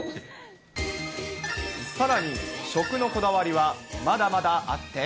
さらに食のこだわりはまだまだあって。